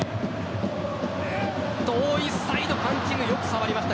遠いサイド、パンチングよく触りました。